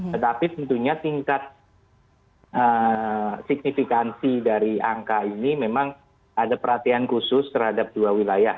tetapi tentunya tingkat signifikansi dari angka ini memang ada perhatian khusus terhadap dua wilayah